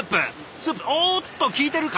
おっと効いてるか？